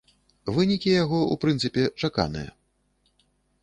Вынікі яго, у прынцыпе, чаканыя.